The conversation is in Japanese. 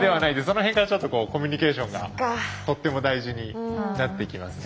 その辺からちょっとコミュニケーションがとっても大事になってきます。